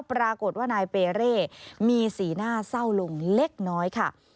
ปรากฏว่านายเปเร่มีสีหน้าเศร้าลงเล็กน้อยค่ะ